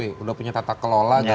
sudah punya tata kelola